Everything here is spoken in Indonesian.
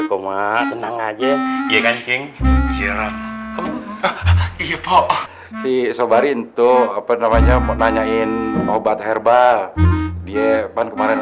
koma tenang aja ya kan king si sobari untuk penemannya mau nanyain obat herbal dia kemarin